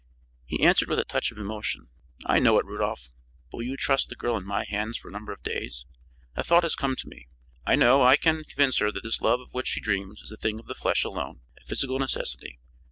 He answered with a touch of emotion: "I know it, Rudolph; but will you trust the girl in my hands for a number of days? A thought has come to me. I know I can convince her that this love of which she dreams is a thing of the flesh alone, a physical necessity.